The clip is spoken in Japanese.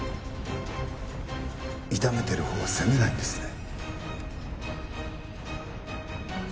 痛めてるほうは攻めないんですね。